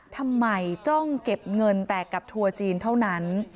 จ้องเก็บเงินแต่กับทัวร์จีนเท่านั้น